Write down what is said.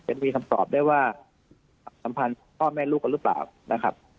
จะมีคำตอบได้ว่าสัมพันธ์พ่อแม่ลูกกันหรือเปล่านะครับ